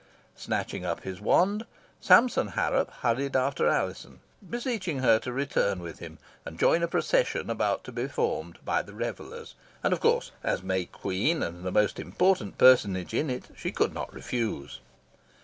Snatching up his wand Sampson Harrop hurried after Alizon, beseeching her to return with him, and join a procession about to be formed by the revellers, and of course, as May Queen, and the most important personage in it, she could not refuse.